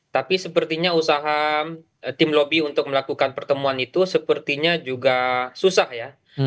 tapi sepertinya usaha tim lobby untuk melakukan pertemuan itu sepertinya juga susah ya